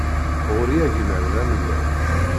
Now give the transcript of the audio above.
Ɣur-i agmer d amellal.